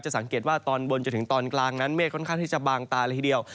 สังเกตว่าตอนบนจนถึงตอนกลางนั้นเมฆค่อนข้างที่จะบางตาเลยทีเดียว